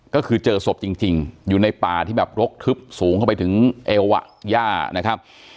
ก็คือเจอศพจริงอยู่ในป่าที่แบบรกทึบสูงเข้าไปถึงเอวอ่ะย่านะครับ